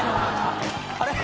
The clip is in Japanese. あれ？